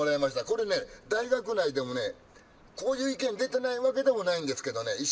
これね大学内でもねこういう意見出てないわけでもないんですけどね